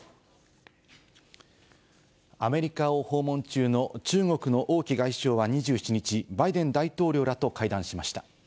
アメリカを訪問中の中国の王毅外相は２７日、バイデン大統領らと会談しました。